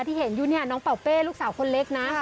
ที่เห็นอยู่เนี่ยน้องเป่าเป้ลูกสาวคนเล็กนะ